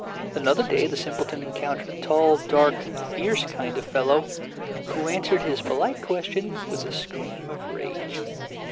Another day the simpleton encountered a tall, dark, fierce kind of fellow, who answered his polite question with a scream of rage.